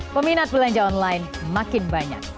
peminat belanja online makin banyak